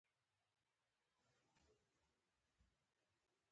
انار د افغانانو د اړتیاوو د پوره کولو وسیله ده.